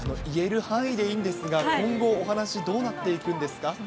言える範囲でいいんですが、今後、お話どうなっていくんですか？